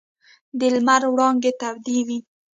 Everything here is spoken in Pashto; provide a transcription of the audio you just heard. د لمر وړانګې تودې وې.